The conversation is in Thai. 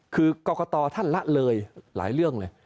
คือกรกตท่านละเลยหลายเรื่องเลย